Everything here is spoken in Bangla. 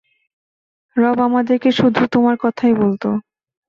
রব আমাদেরকে শুধু তোমার কথাই বলত।